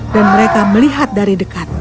dan mereka melihat dari dekat